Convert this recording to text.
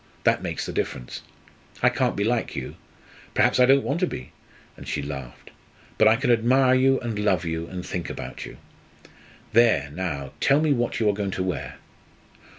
That makes the difference. I can't be like you. Perhaps I don't want to be!" and she laughed. "But I can admire you and love you, and think about you. There, now, tell me what you are going to wear?"